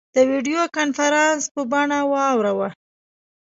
د ویډیو کنفرانس په بڼه واوراوه.